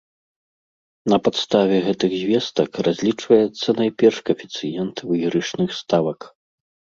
На падставе гэтых звестак разлічваецца найперш каэфіцыент выйгрышных ставак.